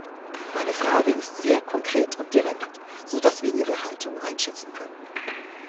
Meine Frage ist sehr konkret und direkt, sodass wir Ihre Haltung einschätzen können.